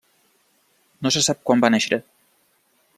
No se sap quan va néixer.